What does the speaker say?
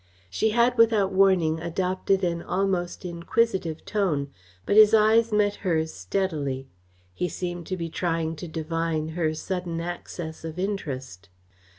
She had without warning adopted an almost inquisitive tone, but his eyes met hers steadily. He seemed to be trying to divine her sudden access of interest.